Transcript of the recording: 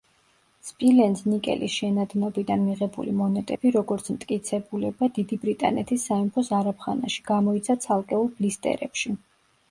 სპილენძ-ნიკელის შენადნობიდან მიღებული მონეტები, როგორც მტკიცებულება დიდი ბრიტანეთის სამეფო ზარაფხანაში, გამოიცა ცალკეულ ბლისტერებში.